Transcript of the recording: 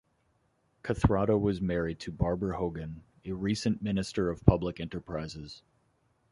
Kathrada was married to Barbara Hogan, a recent Minister of Public Enterprises.